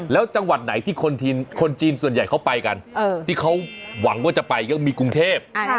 แล้วจังหวัดไหนที่คนจีนส่วนใหญ่เขาไปกันที่เขาหวังว่าจะไปก็มีกรุงเทพ